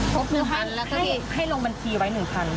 ครบหนึ่งพันแล้วก็ให้ให้ลงบัญชีไว้หนึ่งพัน